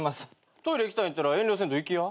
トイレ行きたいんやったら遠慮せんと行きや。